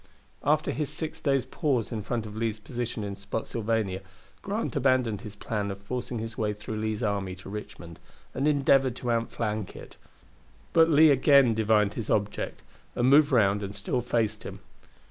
After his six days' pause in front of Lee's position at Spotsylvania, Grant abandoned his plan of forcing his way through Lee's army to Richmond, and endeavored to outflank it; but Lee again divined his object, and moved round and still faced him.